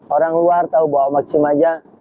orang luar tahu bahwa cimaja